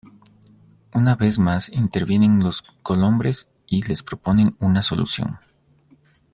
Una vez más intervienen los Colombres y les proponen una solución.